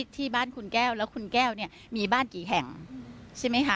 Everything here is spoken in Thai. ที่บ้านคุณแก้วแล้วคุณแก้วเนี่ยมีบ้านกี่แห่งใช่ไหมคะ